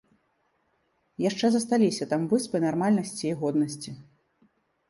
Яшчэ засталіся там выспы нармальнасці і годнасці.